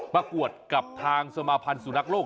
ประกวดกับทางสมาพันธ์สุนัขโลก